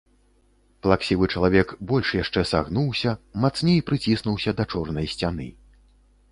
Плаксівы чалавек больш яшчэ сагнуўся, мацней прыціснуўся да чорнай сцяны.